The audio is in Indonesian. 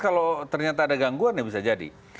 kalau ternyata ada gangguan ya bisa jadi